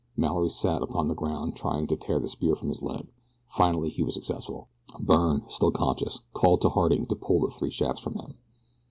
Mallory sat upon the ground trying to tear the spear from his leg. Finally he was successful. Byrne, still conscious, called to Harding to pull the three shafts from him.